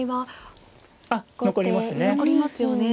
あっ残りますね。